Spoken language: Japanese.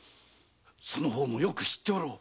その方も知っておろう。